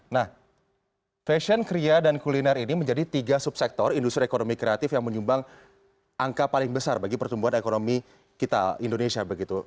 nah fashion kriya dan kuliner ini menjadi tiga subsektor industri ekonomi kreatif yang menyumbang angka paling besar bagi pertumbuhan ekonomi kita indonesia begitu